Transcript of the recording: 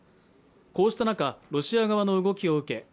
こうした中ロシア側の動きを受け